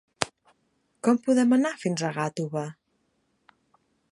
Com podem anar fins a Gàtova?